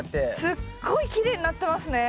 すっごいきれいになってますね。